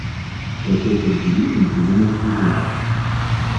Профессор Перинин придумал пружины.